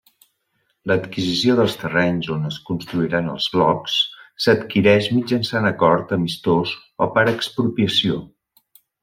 L'adquisició dels terrenys on es construiran els blocs s'adquireix mitjançant acord amistós o per expropiació.